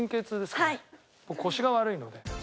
腰が悪いので。